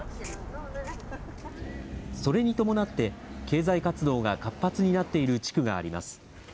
それに伴って、経済活動が活発になっている地区があります。